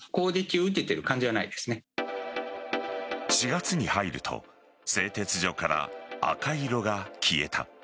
４月に入ると製鉄所から赤色が消えた。